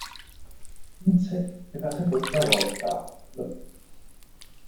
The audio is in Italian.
Vinse per la seconda volta l'.